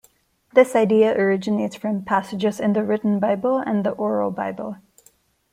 This idea originates from passages in the Written Bible and the Oral Bible.